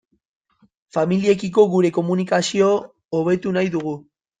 Familiekiko gure komunikazio hobetu nahi dugu.